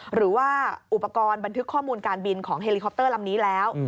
หรือว่าอุปกรณ์บันทึกข้อมูลการบินของเฮลิคอปเตอร์ลำนี้แล้ว